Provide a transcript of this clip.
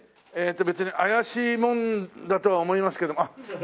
別に怪しいもんだとは思いますけどあっ。